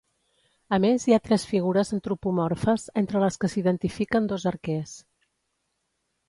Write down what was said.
A més hi ha tres figures antropomorfes, entre les que s'identifiquen dos arquers.